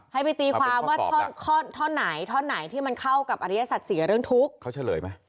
ให้ไปตีความว่าข้อไหนเข้ากับอาริยสัตว์ศรีหรือเรื่องทุกข์เขาเฉลยมั้ย